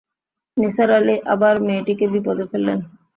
নিসার আলি আবার মেয়েটিকে বিপদে ফেললেন।